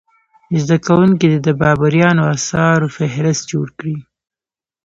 زده کوونکي دې د بابریانو اثارو فهرست جوړ کړي.